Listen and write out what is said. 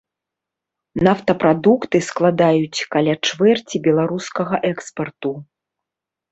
Нафтапрадукты складаюць каля чвэрці беларускага экспарту.